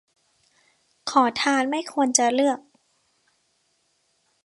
ขอทานไม่ควรจะเลือก